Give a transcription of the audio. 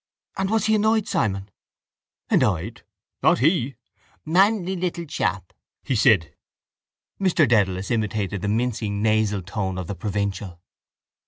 —And was he annoyed, Simon? —Annoyed? Not he! Manly little chap! he said. Mr Dedalus imitated the mincing nasal tone of the provincial.